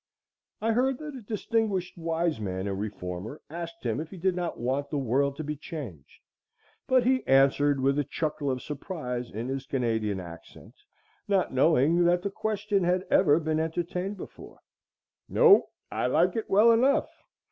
I heard that a distinguished wise man and reformer asked him if he did not want the world to be changed; but he answered with a chuckle of surprise in his Canadian accent, not knowing that the question had ever been entertained before, "No, I like it well enough."